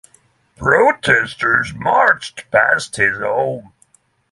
Protesters marched past his home.